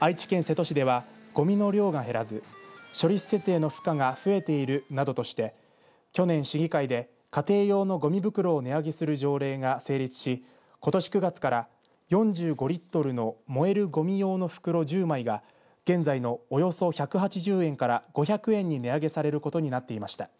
愛知県瀬戸市ではごみの量が減らず処理施設への負荷が増えているなどとして去年、市議会で家庭用のごみ袋を値上げする条例が成立しことし９月から、４５リットルの燃えるごみ用の袋１０枚が現在のおよそ１８０円から５００円に値上げされることになっていました。